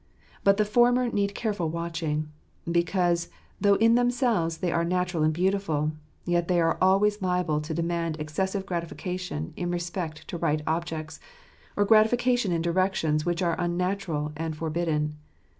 But the former need careful watching; because though in themselves they are natural and beautiful, yet they are always liable to demand excessive gratification in respect to right objects, or gratification in directions which are unnatural and for bidden.